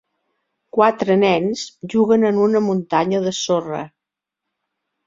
Quatre nens juguen en una muntanya de sorra.